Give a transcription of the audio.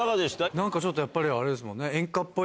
何かやっぱりあれですもんね。